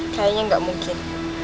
kayaknya gak mungkin